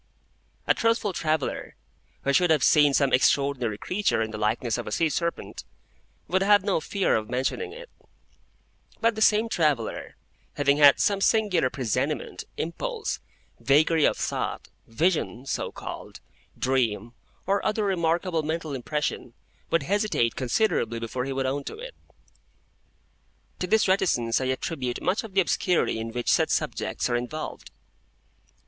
A truthful traveller, who should have seen some extraordinary creature in the likeness of a sea serpent, would have no fear of mentioning it; but the same traveller, having had some singular presentiment, impulse, vagary of thought, vision (so called), dream, or other remarkable mental impression, would hesitate considerably before he would own to it. To this reticence I attribute much of the obscurity in which such subjects are involved.